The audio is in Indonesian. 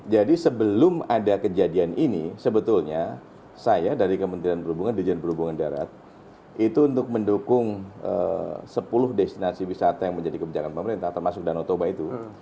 jadi sebelum ada kejadian ini sebetulnya saya dari kementerian perhubungan dirjen perhubungan darat itu untuk mendukung sepuluh destinasi wisata yang menjadi kebijakan pemerintah termasuk danau toba itu